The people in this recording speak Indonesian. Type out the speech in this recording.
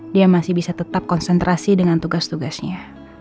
dia masih bisa tetap konsentrasi dengan tugas tugasnya